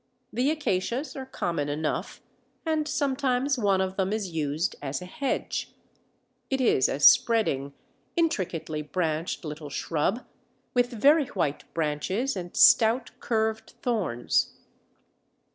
The Acacias are common enough, and sometimes one of them is used as a hedge. It is a spreading, intricately branched little shrub, with very white branches and stout curved thorns. Used to make billiard balls.